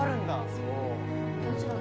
そう。